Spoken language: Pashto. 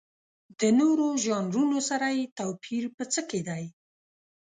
د نورو ژانرونو سره یې توپیر په څه کې دی؟